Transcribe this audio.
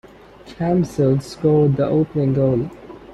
Camsell scored the opening goal.